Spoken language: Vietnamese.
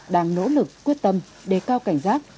đang nỗ lực quyết tâm đề cao cảnh giác